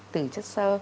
từ chất sơ